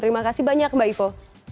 terima kasih banyak mbak ivo